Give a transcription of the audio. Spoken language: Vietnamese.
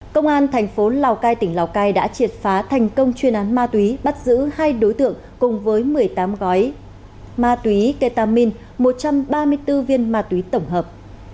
công an thành phố lào cai tỉnh lào cai đã triệt phá thành công chuyên án ma túy bắt giữ hai đối tượng cùng với một mươi tám gói ma túy ketamin một trăm ba mươi bốn viên ma túy tổng hợp